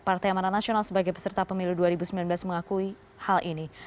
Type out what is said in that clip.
partai amanat nasional sebagai peserta pemilu dua ribu sembilan belas mengakui hal ini